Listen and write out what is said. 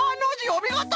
おみごと！